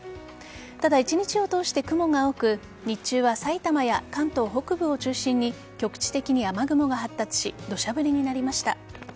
ただ、一日を通して雲が多く日中は埼玉や関東北部を中心に局地的に雨雲が発達し土砂降りになりました。